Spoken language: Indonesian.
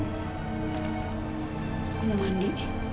aku mau mandi